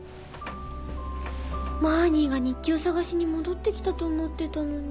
マーニーが日記をさがしに戻って来たと思ってたのに。